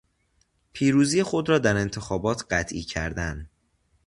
پیروزی خود را در انتخابات قطعی کردن